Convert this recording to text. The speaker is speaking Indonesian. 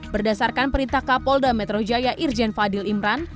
berdasarkan perintah kapolda metro jaya irjen fadil imran